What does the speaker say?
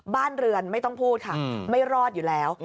บ้านเรือนไม่ต้องพูดค่ะไม่รอดอยู่แล้ว